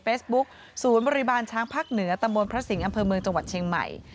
เฟสบุ๊คศูนย์บริบาลช้างภักดิ์เหนือตะโมนพระสิงห์อำเภอเมืองจังหวัดเชียงใหม่